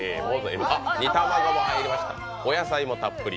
煮卵も入りました、お野菜もたっぷり。